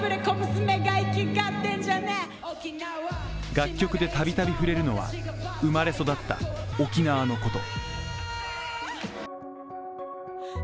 楽曲で度々、触れるのは生まれ育った沖縄のこと。